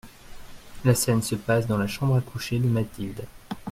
La scène se passe dans la chambre à coucher de Mathilde.